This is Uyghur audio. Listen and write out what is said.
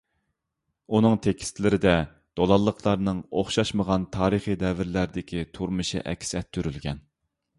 ئۇنىڭ تېكىستلىرىدە دولانلىقلارنىڭ ئوخشاشمىغان تارىخىي دەۋرلەردىكى تۇرمۇشى ئەكس ئەتتۈرۈلگەن.